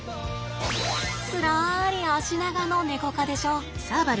すらり脚長のネコ科でしょ。